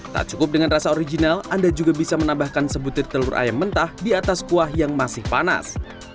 tak cukup dengan rasa original anda juga bisa menambahkan sebutir telur ayam mentah di atas kuah yang masih panas